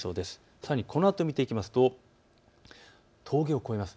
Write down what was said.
さらにこのあと見ていきますと峠を越えます。